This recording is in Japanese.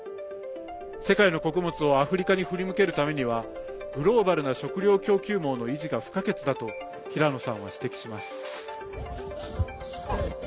世界の穀物をアフリカに振り向けるためにはグローバルな食糧供給網の維持が不可欠だと平野さんは指摘します。